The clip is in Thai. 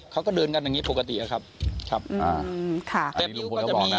เขาก็เดินกันอย่างงี้ปกติอะครับครับอืมค่ะอันนี้ลุงพ่อแล้วบอกนะ